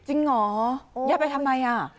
จริงหรอยัดไปทำไม